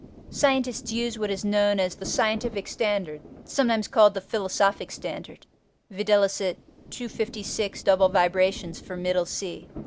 Scientists use what is known as the "scientific standard" (sometimes called the "philosophic standard"), viz., 256 double vibrations for "middle C."